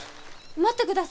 待ってください。